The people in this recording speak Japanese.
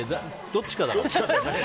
どっちかだから。